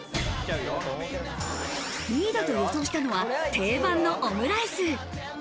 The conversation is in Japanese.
２だと予想したのは定番のオムライス。